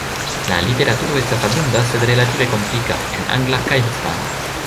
La literaturo estas abunda sed relative komplika, en angla kaj hispana.